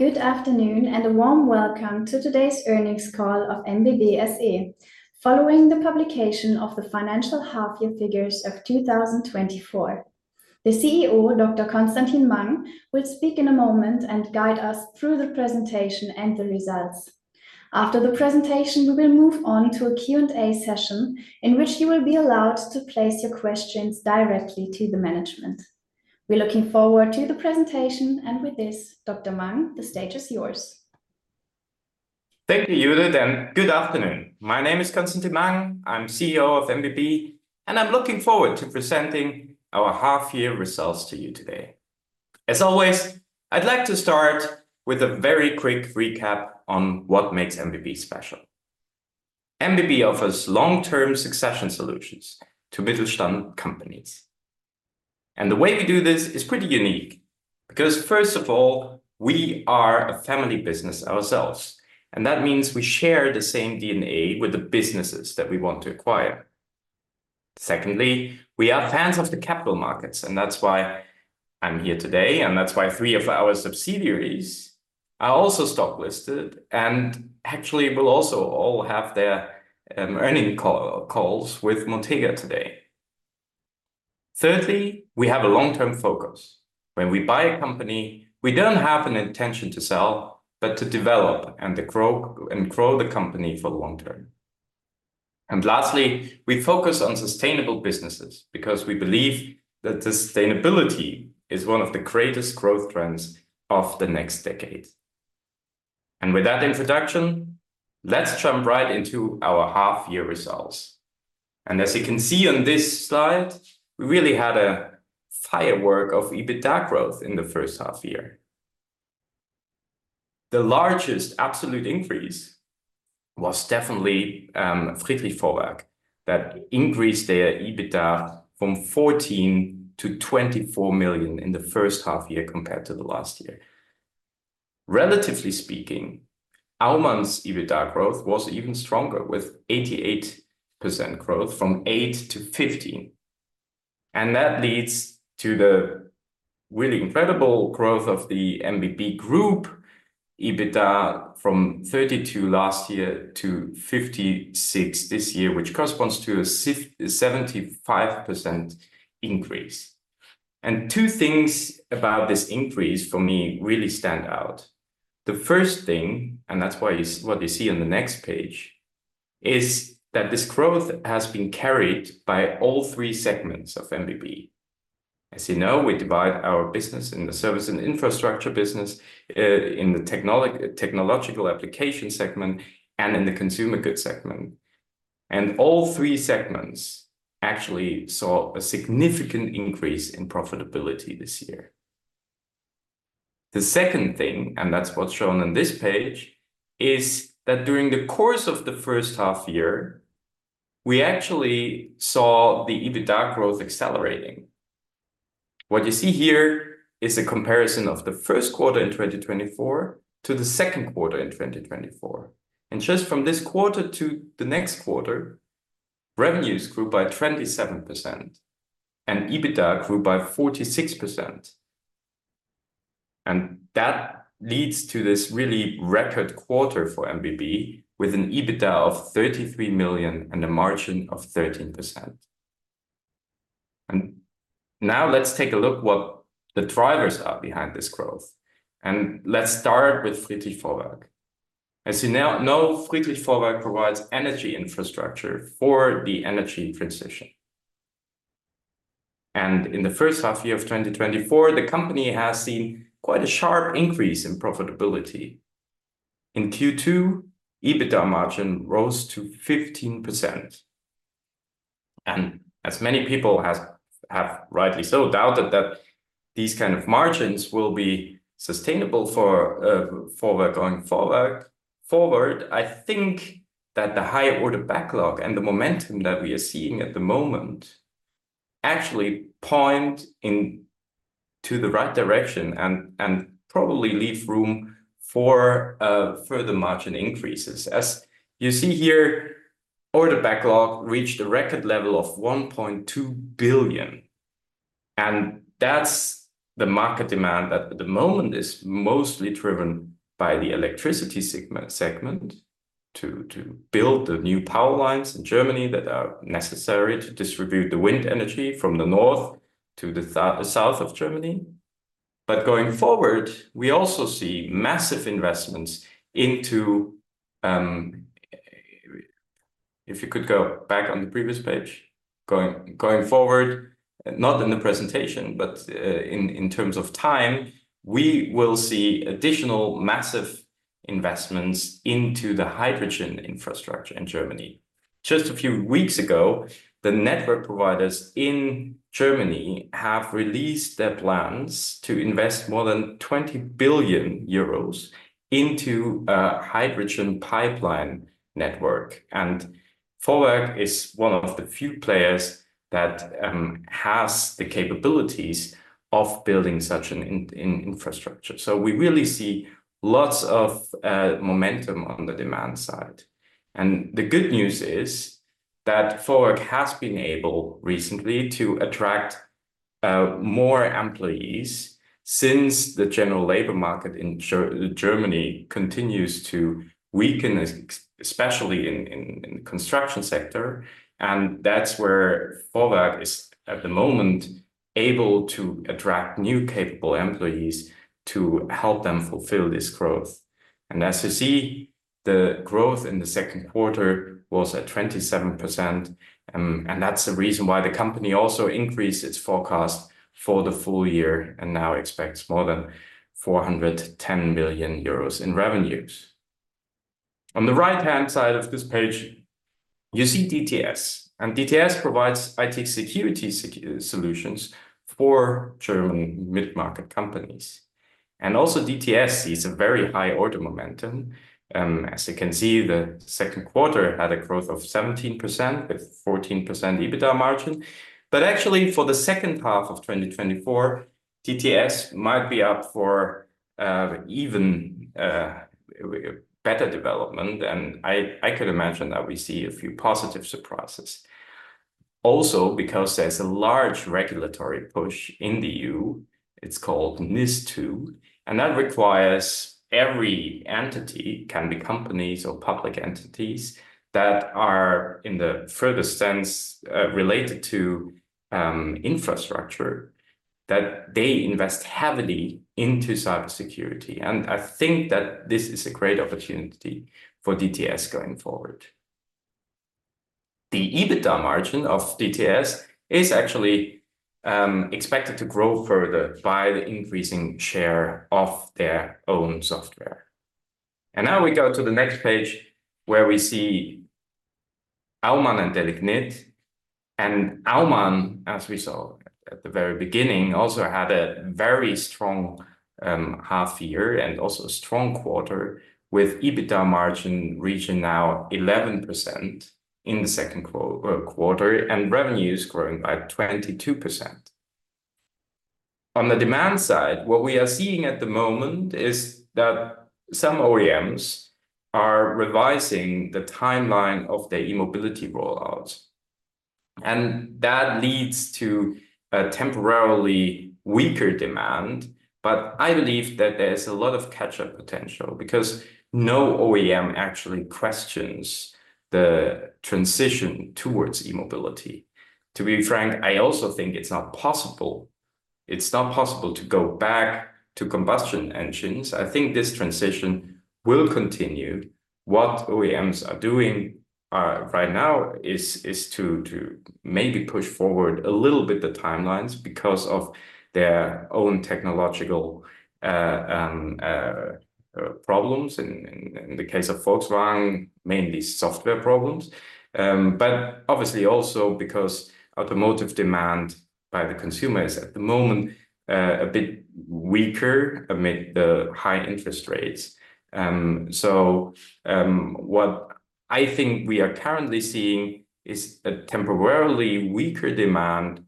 Good afternoon, and a warm welcome to today's earnings call of MBB SE, following the publication of the financial half-year figures of 2024. The CEO, Dr. Constantin Mang, will speak in a moment and guide us through the presentation and the results. After the presentation, we will move on to a Q&A session, in which you will be allowed to place your questions directly to the management. We're looking forward to the presentation, and with this, Dr. Mang, the stage is yours. Thank you, Judith, and good afternoon. My name is Constantin Mang. I'm CEO of MBB, and I'm looking forward to presenting our half-year results to you today. As always, I'd like to start with a very quick recap on what makes MBB special. MBB offers long-term succession solutions to Mittelstand companies. And the way we do this is pretty unique, because first of all, we are a family business ourselves, and that means we share the same DNA with the businesses that we want to acquire. Secondly, we are fans of the capital markets, and that's why I'm here today, and that's why three of our subsidiaries are also stock listed, and actually will also all have their earning calls with Montega today. Thirdly, we have a long-term focus. When we buy a company, we don't have an intention to sell, but to develop and to grow, and grow the company for the long term. And lastly, we focus on sustainable businesses, because we believe that sustainability is one of the greatest growth trends of the next decade. And with that introduction, let's jump right into our half-year results. And as you can see on this slide, we really had a firework of EBITDA growth in the first half year. The largest absolute increase was definitely Friedrich Vorwerk. That increased their EBITDA from 14-24 million in the first half year compared to the last year. Relatively speaking, Aumann's EBITDA growth was even stronger, with 88% growth from 8 million to 15 million. And that leads to the really incredible growth of the MBB Group EBITDA from 32 last year to 56 this year, which corresponds to a 75% increase. And two things about this increase, for me, really stand out. The first thing, and that's why what you see on the next page, is that this growth has been carried by all three segments of MBB. As you know, we divide our business in the service and infrastructure business, in the technological application segment, and in the consumer goods segment. And all three segments actually saw a significant increase in profitability this year. The second thing, and that's what's shown on this page, is that during the course of the first half year, we actually saw the EBITDA growth accelerating. What you see here is a comparison of the first quarter in 2024 to the second quarter in 2024, and just from this quarter to the next quarter, revenues grew by 27% and EBITDA grew by 46%. And that leads to this really record quarter for MBB, with an EBITDA of 33 million and a margin of 13%. And now let's take a look what the drivers are behind this growth, and let's start with Friedrich Vorwerk. As you now know, Friedrich Vorwerk provides energy infrastructure for the energy transition. And in the first half year of 2024, the company has seen quite a sharp increase in profitability. In Q2, EBITDA margin rose to 15%, and as many people have rightly so doubted that these kind of margins will be sustainable for going forward, I think that the higher order backlog and the momentum that we are seeing at the moment actually point into the right direction and probably leave room for further margin increases. As you see here, order backlog reached a record level of 1.2 billion, and that's the market demand that at the moment is mostly driven by the electricity segment to build the new power lines in Germany that are necessary to distribute the wind energy from the north to the south of Germany. But going forward, we also see massive investments into... If you could go back on the previous page, going forward, not in the presentation, but in terms of time, we will see additional massive investments into the hydrogen infrastructure in Germany. Just a few weeks ago, the network providers in Germany have released their plans to invest more than 20 billion euros into a hydrogen pipeline network, and Vorwerk is one of the few players that has the capabilities of building such an infrastructure. So we really see lots of momentum on the demand side. And the good news is that Vorwerk has been able recently to attract more employees since the general labor market in Germany continues to weaken, especially in the construction sector. And that's where Vorwerk is at the moment able to attract new capable employees to help them fulfill this growth. As you see, the growth in the second quarter was at 27%, and that's the reason why the company also increased its forecast for the full year and now expects more than 410 million euros in revenues. On the right-hand side of this page, you see DTS, and DTS provides IT security solutions for German mid-market companies. Also DTS sees a very high order momentum. As you can see, the second quarter had a growth of 17%, with 14% EBITDA margin. But actually, for the second half of 2024, DTS might be up for even a better development, and I could imagine that we see a few positive surprises. Also, because there's a large regulatory push in the EU, it's called NIS2, and that requires every entity, can be companies or public entities, that are in the furthest sense related to infrastructure, that they invest heavily into cybersecurity. And I think that this is a great opportunity for DTS going forward. The EBITDA margin of DTS is actually expected to grow further by the increasing share of their own software. And now we go to the next page, where we see Aumann and Delignit. And Aumann, as we saw at the very beginning, also had a very strong half year and also a strong quarter, with EBITDA margin reaching now 11% in the second quarter, and revenues growing by 22%. On the demand side, what we are seeing at the moment is that some OEMs are revising the timeline of the e-mobility rollout, and that leads to a temporarily weaker demand. But I believe that there is a lot of catch-up potential, because no OEM actually questions the transition towards e-mobility. To be frank, I also think it's not possible... it's not possible to go back to combustion engines. I think this transition will continue. What OEMs are doing right now is to maybe push forward a little bit the timelines because of their own technological problems, in the case of Volkswagen, mainly software problems. But obviously also because automotive demand by the consumers at the moment a bit weaker amid the high interest rates. What I think we are currently seeing is a temporarily weaker demand,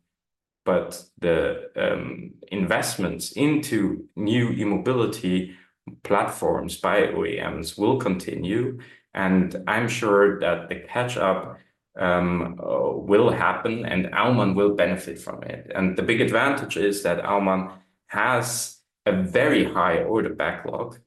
but the investments into new e-mobility platforms by OEMs will continue, and I'm sure that the catch-up will happen, and Aumann will benefit from it. The big advantage is that Aumann has a very high order backlog.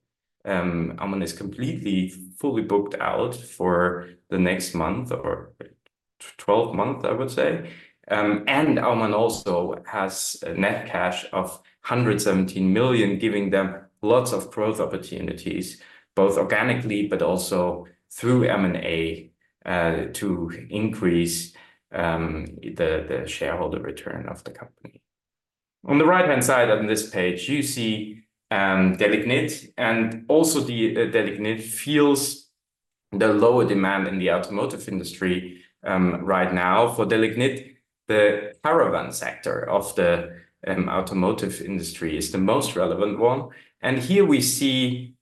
Aumann is completely fully booked out for the next 12 months, I would say. Aumann also has a net cash of 117 million, giving them lots of growth opportunities, both organically but also through M&A to increase the shareholder return of the company. On the right-hand side on this page, you see Delignit, and also the Delignit feels the lower demand in the automotive industry right now. For Delignit, the caravan sector of the automotive industry is the most relevant one, and here we see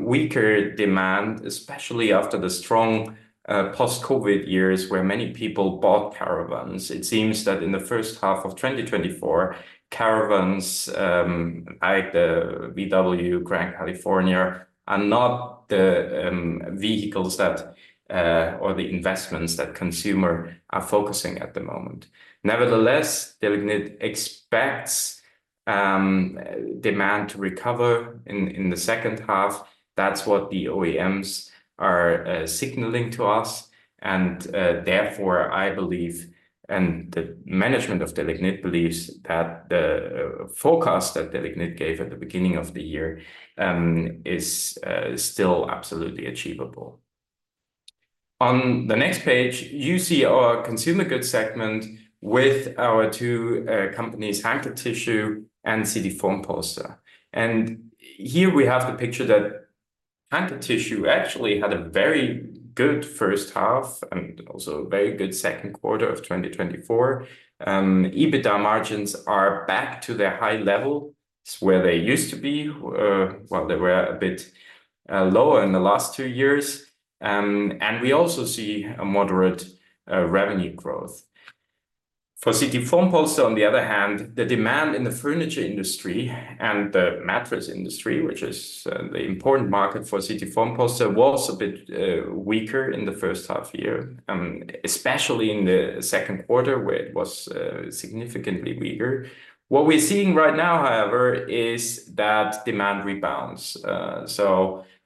weaker demand, especially after the strong post-COVID years, where many people bought caravans. It seems that in the first half of 2024, caravans like the VW Grand California are not the vehicles that or the investments that consumer are focusing at the moment. Nevertheless, Delignit expects demand to recover in the second half. That's what the OEMs are signaling to us. And therefore, I believe, and the management of Delignit believes, that the forecast that Delignit gave at the beginning of the year is still absolutely achievable. On the next page, you see our consumer goods segment with our two companies, Hanke Tissue and CT Formpolster. Here we have the picture that Hanke Tissue actually had a very good first half and also a very good second quarter of 2024. EBITDA margins are back to their high level, where they used to be. Well, they were a bit lower in the last two years. And we also see a moderate revenue growth. For CT Formpolster, on the other hand, the demand in the furniture industry and the mattress industry, which is the important market for CT Formpolster, was a bit weaker in the first half year. Especially in the second quarter, where it was significantly weaker. What we're seeing right now, however, is that demand rebounds.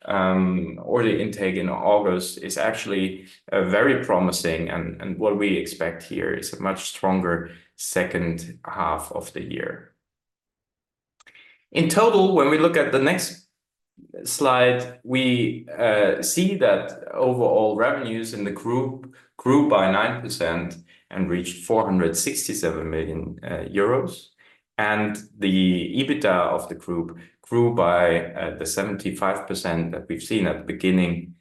So, order intake in August is actually very promising, and what we expect here is a much stronger second half of the year. In total, when we look at the next slide, we see that overall revenues in the group grew by 9% and reached 467 million euros. The EBITDA of the group grew by the 75% that we've seen at the beginning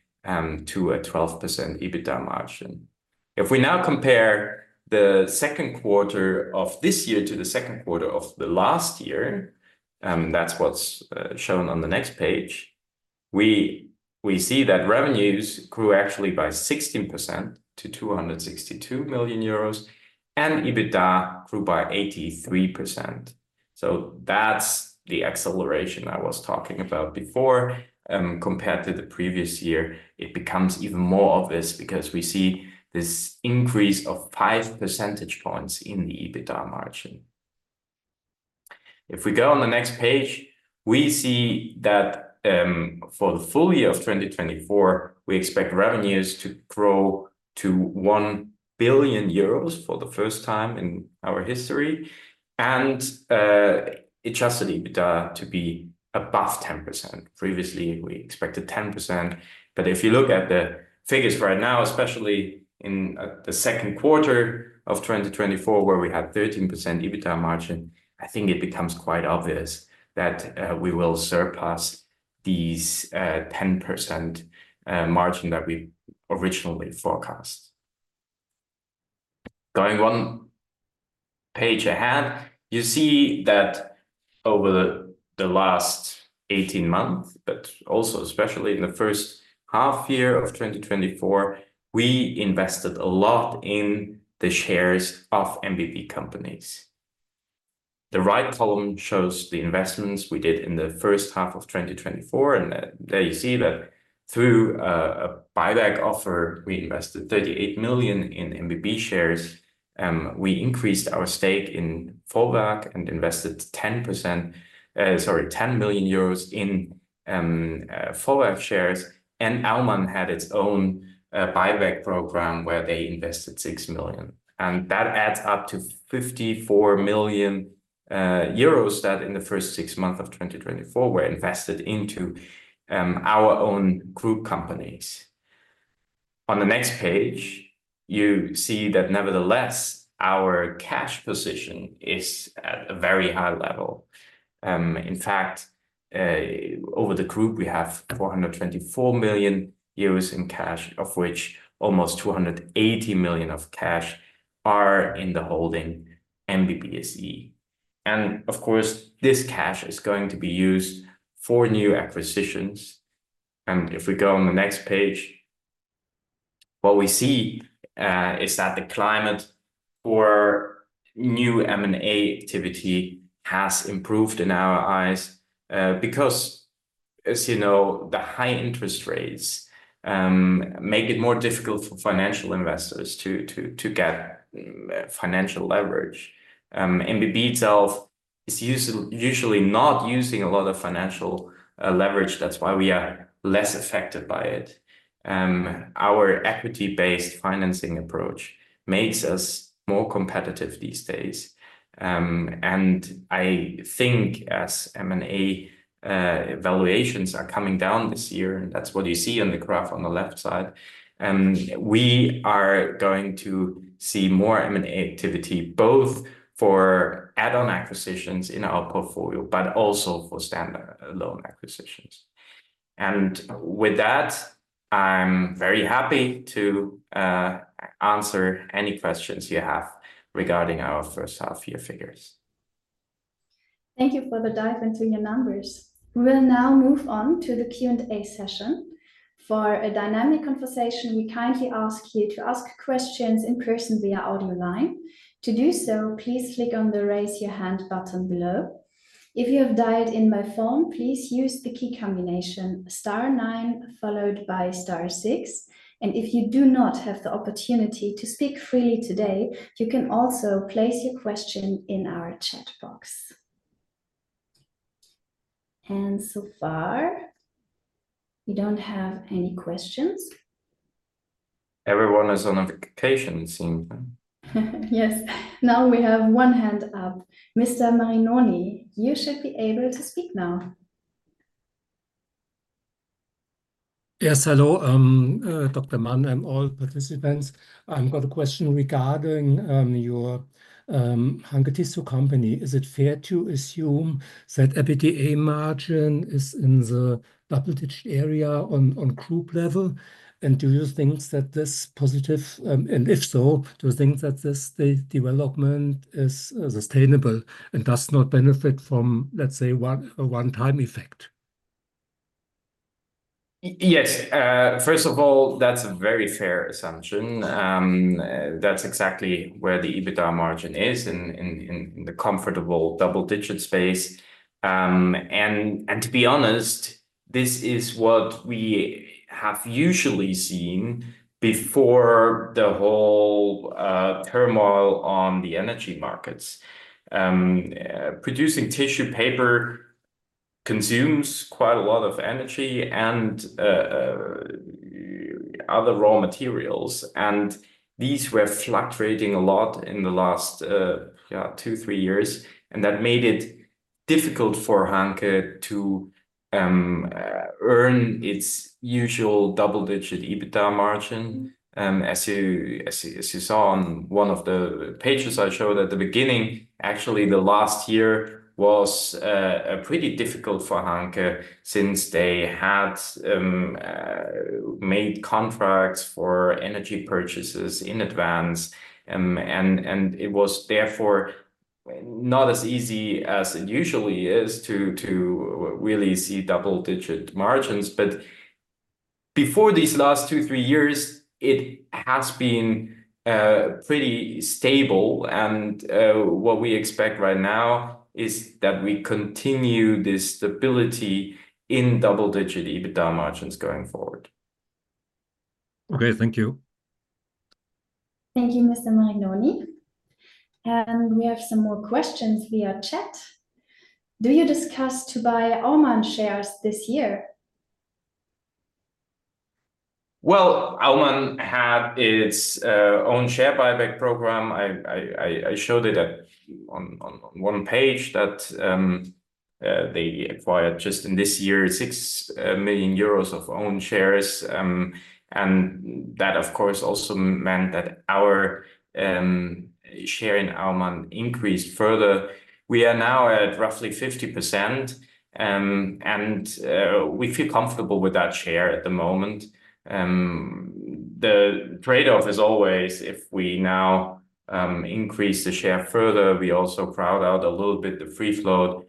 to a 12% EBITDA margin. If we now compare the second quarter of this year to the second quarter of the last year, that's what's shown on the next page, we see that revenues grew actually by 16% to 262 million euros, and EBITDA grew by 83%. So that's the acceleration I was talking about before. Compared to the previous year, it becomes even more obvious, because we see this increase of five percentage points in the EBITDA margin. If we go on the next page, we see that for the full year of 2024, we expect revenues to grow to 1 billion euros for the first time in our history, and adjusted EBITDA to be above 10%. Previously, we expected 10%, but if you look at the figures right now, especially in the second quarter of 2024, where we had 13% EBITDA margin, I think it becomes quite obvious that we will surpass these 10% margin that we originally forecast. Going one page ahead, you see that over the last 18 months, but also especially in the first half year of 2024, we invested a lot in the shares of MBB companies. The right column shows the investments we did in the first half of 2024, and there you see that through a buyback offer, we invested 38 million in MBB shares. We increased our stake in Vorwerk and invested 10%, sorry, 10 million euros in Vorwerk shares, and Aumann had its own buyback program, where they invested 6 million. And that adds up to 54 million euros that in the first six months of 2024 were invested into our own group companies. On the next page, you see that nevertheless, our cash position is at a very high level. In fact, over the group, we have 424 million euros in cash, of which almost 280 million of cash are in the holding MBB SE. And of course, this cash is going to be used for new acquisitions. And if we go on the next page, what we see is that the climate for new M&A activity has improved in our eyes. Because as you know, the high interest rates make it more difficult for financial investors to get financial leverage. MBB itself is usually not using a lot of financial leverage, that's why we are less affected by it. Our equity-based financing approach makes us more competitive these days. And I think as M&A valuations are coming down this year, and that's what you see on the graph on the left side, we are going to see more M&A activity, both for add-on acquisitions in our portfolio, but also for stand-alone acquisitions. With that, I'm very happy to answer any questions you have regarding our first half year figures. Thank you for the dive into your numbers. We will now move on to the Q&A session. For a dynamic conversation, we kindly ask you to ask questions in person via audio line. To do so, please click on the Raise Your Hand button below. If you have dialed in by phone, please use the key combination star nine followed by star six, and if you do not have the opportunity to speak freely today, you can also place your question in our chat box. So far, we don't have any questions. Everyone is on a vacation, it seems. Yes. Now we have one hand up. Mr. Marinoni, you should be able to speak now. Yes, hello, Dr. Mang and all participants. I've got a question regarding your Hanke Tissue company. Is it fair to assume that EBITDA margin is in the double-digit area on group level? And do you think that this positive and if so, do you think that this, the development is sustainable and does not benefit from, let's say, a one-time effect? Yes, first of all, that's a very fair assumption. That's exactly where the EBITDA margin is in the comfortable double-digit space. And to be honest, this is what we have usually seen before the whole turmoil on the energy markets. Producing tissue paper consumes quite a lot of energy and other raw materials, and these were fluctuating a lot in the last 2, 3 years, and that made it difficult for Hanke to earn its usual double-digit EBITDA margin. As you saw on one of the pages I showed at the beginning, actually, the last year was a pretty difficult for Hanke, since they had made contracts for energy purchases in advance. And it was therefore not as easy as it usually is to really see double-digit margins. But before these last 2, 3 years, it has been pretty stable, and what we expect right now is that we continue this stability in double-digit EBITDA margins going forward. Okay, thank you. Thank you, Mr. Marinoni. We have some more questions via chat. Do you discuss to buy Aumann shares this year? Well, Aumann had its own share buyback program. I showed it at, on one page that they acquired just in this year, 6 million euros of own shares. And that, of course, also meant that our share in Aumann increased further. We are now at roughly 50%, and we feel comfortable with that share at the moment. The trade-off is always, if we now increase the share further, we also crowd out a little bit the free float,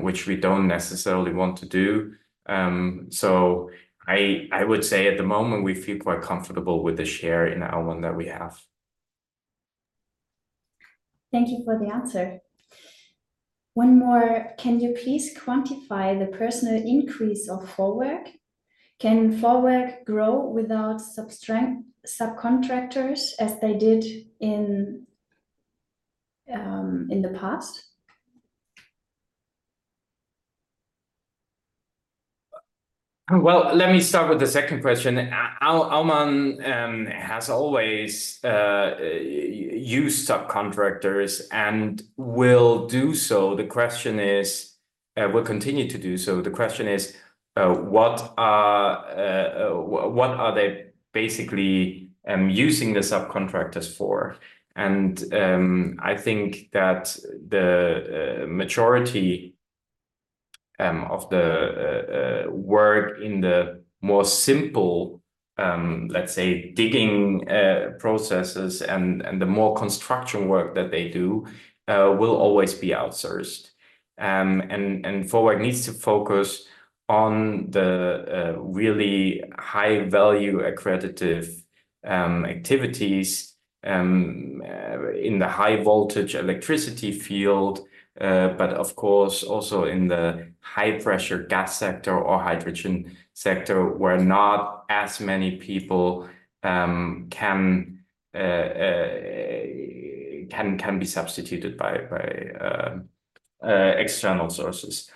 which we don't necessarily want to do. So I would say at the moment, we feel quite comfortable with the share in Aumann that we have. Thank you for the answer. One more: Can you please quantify the personnel increase of Vorwerk? Can Vorwerk grow without sub-strength subcontractors, as they did in the past? Well, let me start with the second question. Aumann has always used subcontractors and will do so. The question is will continue to do so. The question is, what are they basically using the subcontractors for? And I think that the majority of the work in the more simple, let's say, digging processes and the more construction work that they do will always be outsourced. And Vorwerk needs to focus on the really high-value accretive activities in the high voltage electricity field, but of course, also in the high-pressure gas sector or hydrogen sector, where not as many people can be substituted by external sources.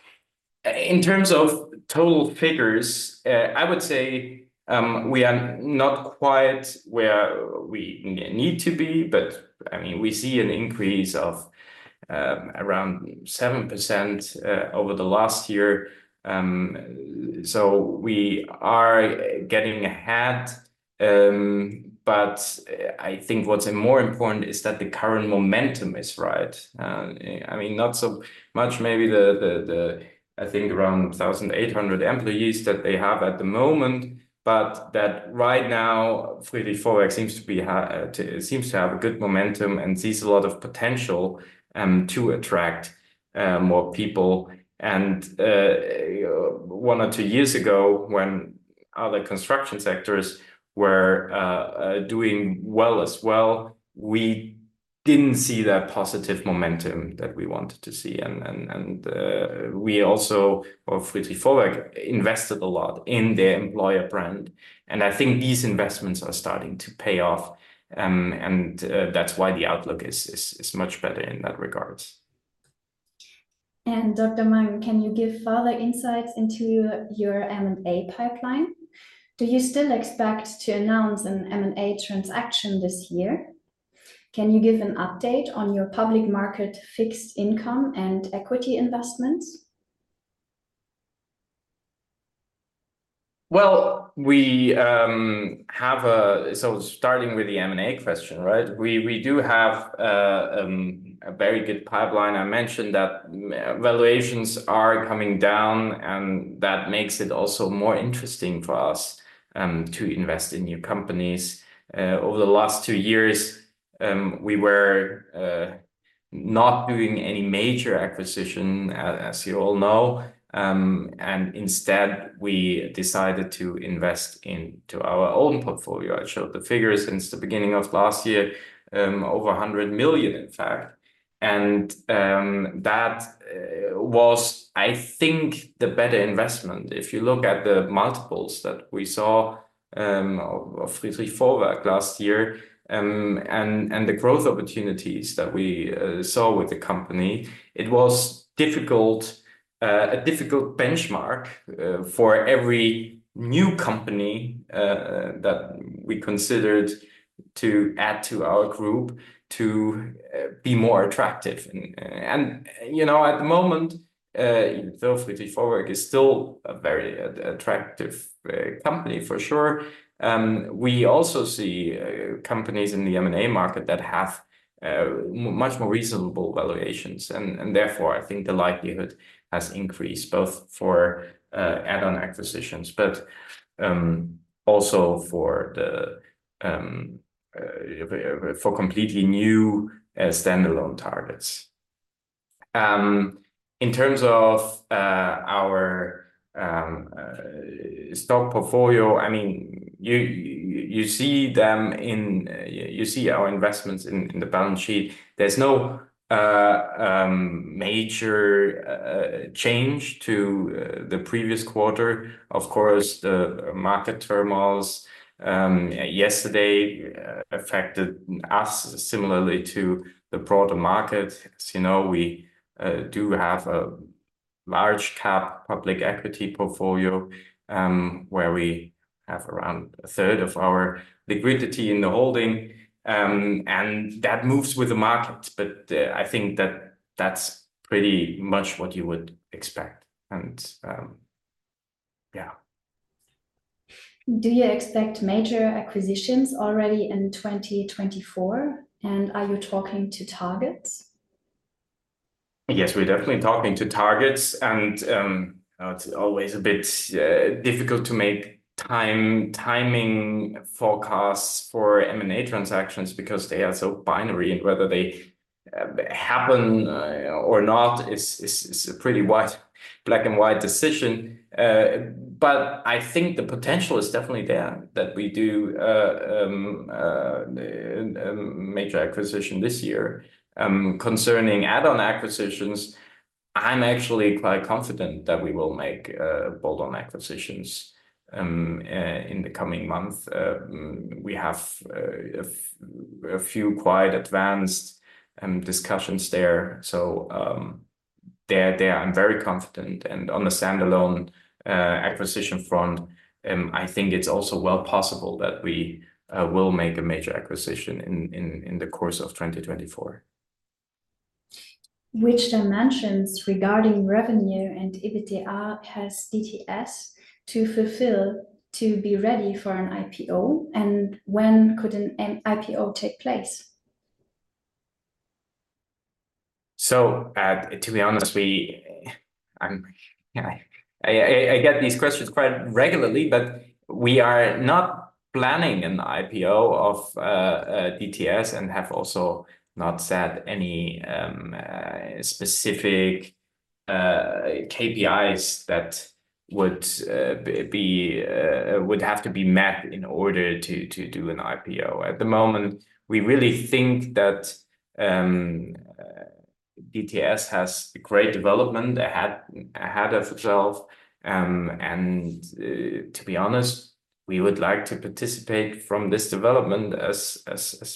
In terms of total figures, I would say, we are not quite where we need to be, but, I mean, we see an increase of, around 7%, over the last year. So we are getting ahead, but I think what's more important is that the current momentum is right. I mean, not so much maybe I think around 1,800 employees that they have at the moment, but that right now, Friedrich Vorwerk seems to have a good momentum and sees a lot of potential, to attract, more people. And, one or two years ago, when other construction sectors were, doing well as well, we didn't see that positive momentum that we wanted to see. We also or Friedrich Vorwerk invested a lot in their employer brand, and I think these investments are starting to pay off. That's why the outlook is much better in that regard. Dr. Marinoni, can you give further insights into your M&A pipeline? Do you still expect to announce an M&A transaction this year? Can you give an update on your public market fixed income and equity investments? Well, we have. So starting with the M&A question, right? We, we do have a very good pipeline. I mentioned that valuations are coming down, and that makes it also more interesting for us to invest in new companies. Over the last two years, we were not doing any major acquisition, as you all know. And instead, we decided to invest into our own portfolio. I showed the figures since the beginning of last year, over 100 million, in fact, and that was, I think, the better investment. If you look at the multiples that we saw, of Friedrich Vorwerk last year, and the growth opportunities that we saw with the company, it was a difficult benchmark for every new company that we considered to add to our group to be more attractive. And you know, at the moment, though Friedrich Vorwerk is still a very attractive company for sure, we also see companies in the M&A market that have much more reasonable valuations. And therefore, I think the likelihood has increased both for add-on acquisitions, but also for completely new standalone targets. In terms of our stock portfolio, I mean, you see them in... You see our investments in the balance sheet. There's no major change to the previous quarter. Of course, the market turmoils yesterday affected us similarly to the broader market. As you know, we do have a large cap public equity portfolio, where we have around a third of our liquidity in the holding, and that moves with the market. But I think that's pretty much what you would expect, and yeah. Do you expect major acquisitions already in 2024? And are you talking to targets? Yes, we're definitely talking to targets, and it's always a bit difficult to make timing forecasts for M&A transactions because they are so binary, and whether they happen or not is a pretty black-and-white decision. But I think the potential is definitely there that we do a major acquisition this year. Concerning add-on acquisitions, I'm actually quite confident that we will make bolt-on acquisitions in the coming months. We have a few quite advanced discussions there, so there I'm very confident. And on the standalone acquisition front, I think it's also well possible that we will make a major acquisition in the course of 2024. Which dimensions regarding revenue and EBITDA has DTS to fulfill to be ready for an IPO, and when could an IPO take place? So, to be honest, I'm, yeah, I get these questions quite regularly, but we are not planning an IPO of DTS, and have also not set any specific KPIs that would have to be met in order to do an IPO. At the moment, we really think that DTS has a great development ahead of itself, and to be honest, we would like to participate from this development as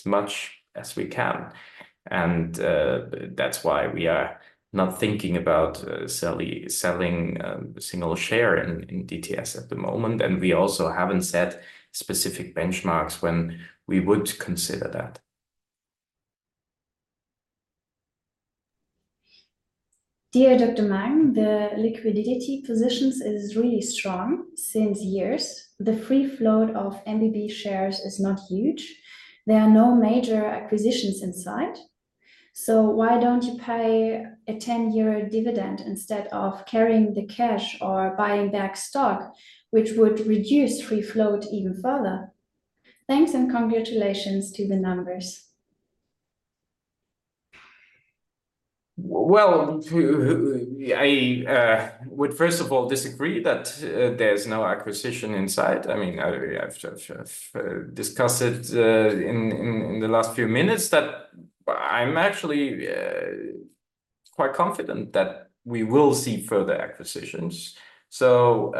much as we can. And that's why we are not thinking about selling a single share in DTS at the moment, and we also haven't set specific benchmarks when we would consider that. Dear Dr. Mang, the liquidity positions is really strong since years. The free float of MBB shares is not huge. There are no major acquisitions in sight, so why don't you pay a 10-year dividend instead of carrying the cash or buying back stock, which would reduce free float even further? Thanks, and congratulations to the numbers. Well, I would first of all disagree that there's no acquisition in sight. I mean, we have just discussed it in the last few minutes, that I'm actually quite confident that we will see further acquisitions. So,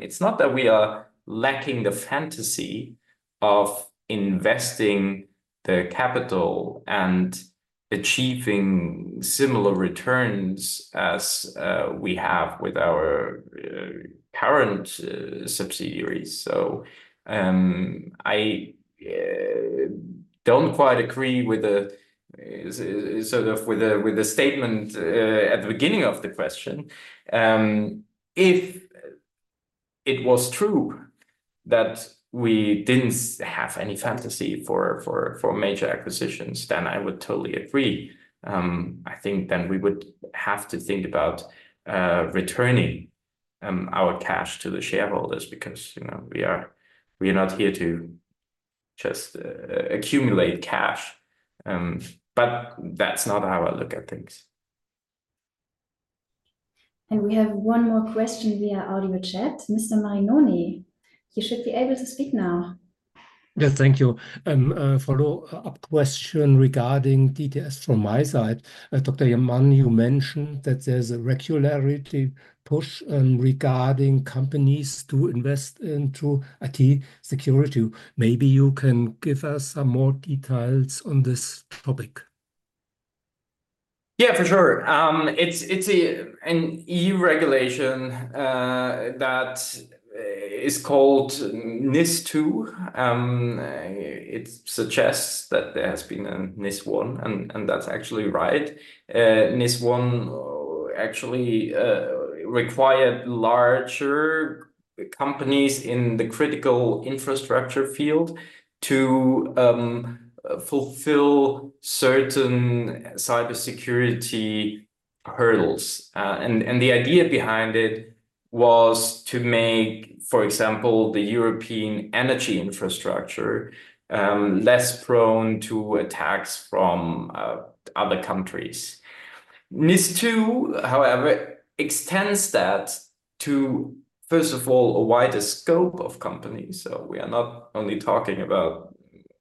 it's not that we are lacking the fantasy of investing the capital and achieving similar returns as we have with our parent subsidiaries. So, I don't quite agree with the sort of with the statement at the beginning of the question. If it was true that we didn't have any fantasy for major acquisitions, then I would totally agree. I think then we would have to think about returning our cash to the shareholders because, you know, we are... We are not here to-... just accumulate cash. But that's not how I look at things. We have one more question via audio chat. Mr. Marinoni, you should be able to speak now. Yes, thank you. A follow-up question regarding DTS from my side. Dr. Mang, you mentioned that there's a regulatory push regarding companies to invest into IT security. Maybe you can give us some more details on this topic? Yeah, for sure. It's an EU regulation that is called NIS2. It suggests that there has been an NIS1, and that's actually right. NIS1 actually required larger companies in the critical infrastructure field to fulfill certain cybersecurity hurdles. And the idea behind it was to make, for example, the European energy infrastructure less prone to attacks from other countries. NIS2, however, extends that to, first of all, a wider scope of companies. So we are not only talking about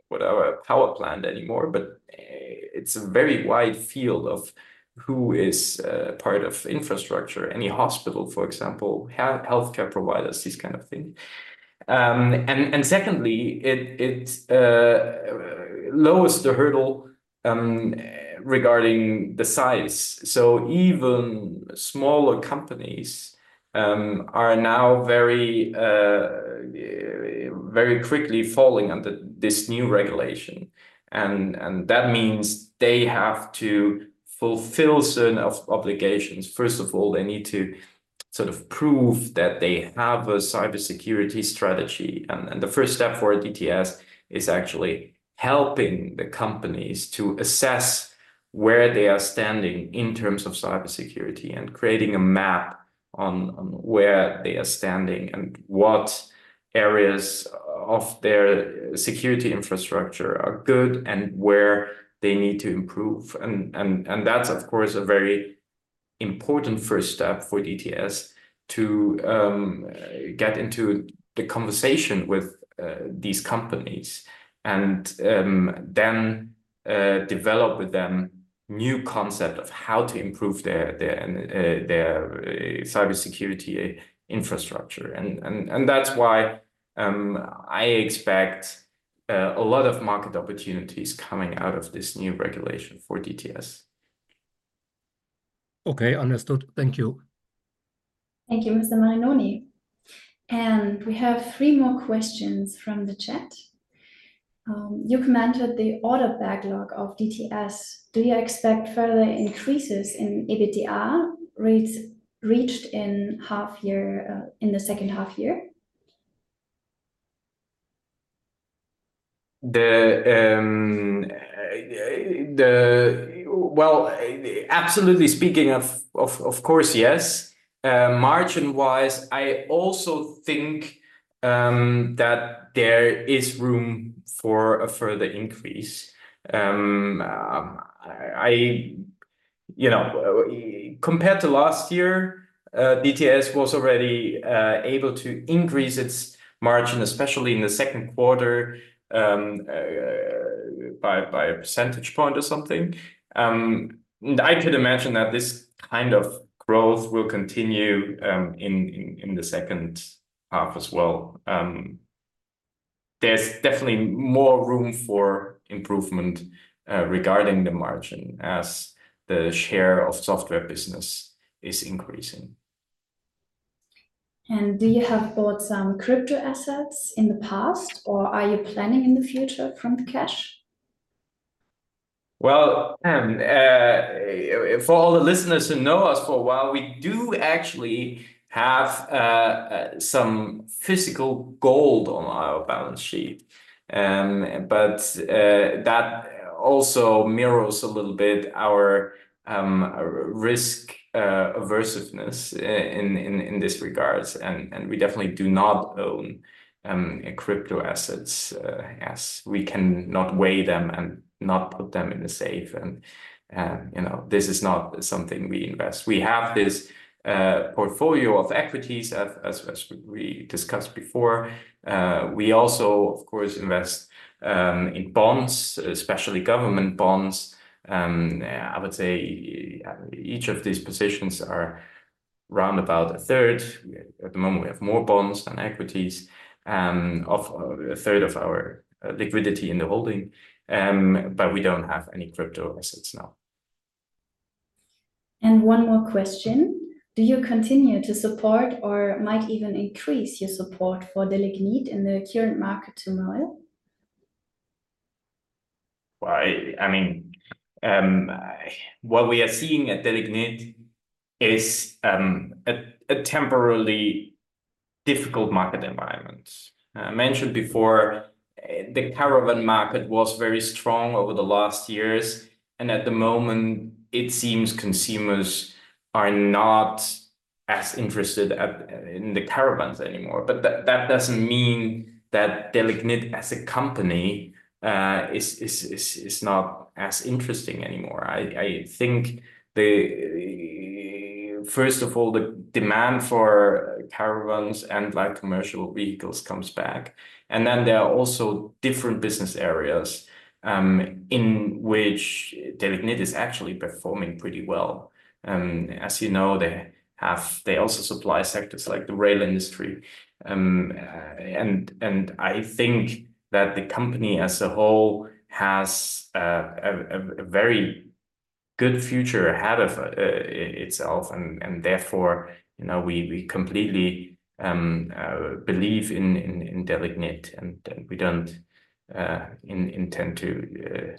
whatever power plant anymore, but it's a very wide field of who is part of infrastructure. Any hospital, for example, healthcare providers, these kind of thing. And secondly, it lowers the hurdle regarding the size. So even smaller companies are now very, very quickly falling under this new regulation, and that means they have to fulfill certain obligations. First of all, they need to sort of prove that they have a cybersecurity strategy, and the first step for DTS is actually helping the companies to assess where they are standing in terms of cybersecurity, and creating a map on where they are standing, and what areas of their security infrastructure are good, and where they need to improve. And that's, of course, a very important first step for DTS to get into the conversation with these companies, and then develop with them new concept of how to improve their cybersecurity infrastructure. That's why I expect a lot of market opportunities coming out of this new regulation for DTS. Okay, understood. Thank you. Thank you, Mr. Marinoni. We have three more questions from the chat. You commented the order backlog of DTS. Do you expect further increases in EBITDA rates reached in half year, in the second half year? Well, absolutely, speaking of, of, of course, yes. Margin-wise, I also think that there is room for a further increase. I, you know, compared to last year, DTS was already able to increase its margin, especially in the second quarter, by, by a percentage point or something. And I could imagine that this kind of growth will continue, in, in, in the second half as well. There's definitely more room for improvement, regarding the margin as the share of software business is increasing. Do you have bought some crypto assets in the past, or are you planning in the future from the cash? Well, for all the listeners who know us for a while, we do actually have some physical gold on our balance sheet. But that also mirrors a little bit our our risk aversion in this regard, and we definitely do not own crypto assets. As we cannot weigh them and not put them in a safe, and you know, this is not something we invest. We have this portfolio of equities as we discussed before. We also, of course, invest in bonds, especially government bonds. I would say each of these positions are round about a third. At the moment, we have more bonds than equities of a third of our liquidity in the holding. But we don't have any crypto assets, no. One more question: Do you continue to support or might even increase your support for Delignit in the current market turmoil? Well, I mean, what we are seeing at Delignit is a temporarily difficult market environment. I mentioned before, the caravan market was very strong over the last years, and at the moment, it seems consumers are not as interested in the caravans anymore. But that doesn't mean that Delignit as a company is not as interesting anymore. I think, first of all, the demand for caravans and light commercial vehicles comes back, and then there are also different business areas in which Delignit is actually performing pretty well. As you know, they also supply sectors like the rail industry. I think that the company as a whole has a very good future ahead of itself, and therefore, you know, we completely believe in Delignit, and we don't intend to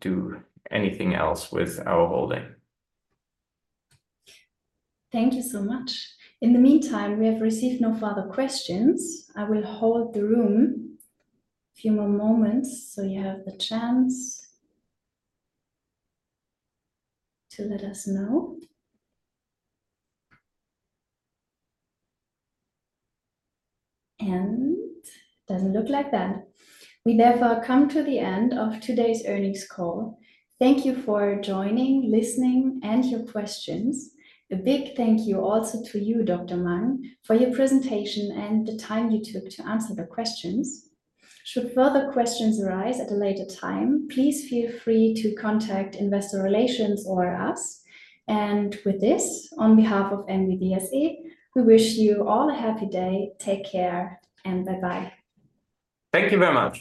do anything else with our holding. Thank you so much. In the meantime, we have received no further questions. I will hold the room a few more moments, so you have the chance to let us know. It doesn't look like that. We therefore come to the end of today's earnings call. Thank you for joining, listening, and your questions. A big thank you also to you, Dr. Mang, for your presentation and the time you took to answer the questions. Should further questions arise at a later time, please feel free to contact Investor Relations or us. With this, on behalf of MBB SE, we wish you all a happy day. Take care, and bye-bye. Thank you very much.